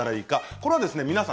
これは皆さん